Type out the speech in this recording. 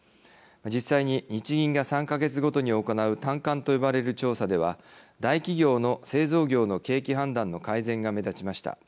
実際に日銀が３か月ごとに行う短観と呼ばれる調査では大企業の製造業の景気判断の改善が目立ちました。